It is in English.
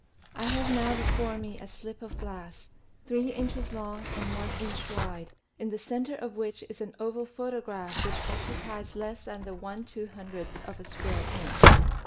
I have now before me a slip of glass, three inches long and one inch wide, in the center of which is an oval photograph which occupies less than the i 2OOth of a square inch.